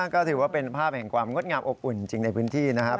ก็ถือว่าเป็นภาพแห่งความงดงามอบอุ่นจริงในพื้นที่นะครับ